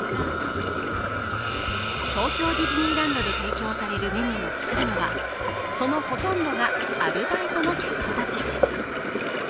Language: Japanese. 東京ディズニーランドで提供されるメニューを作るのはそのほとんどがアルバイトのキャストたち。